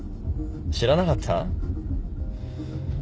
知らなかった？